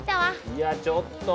いやちょっと！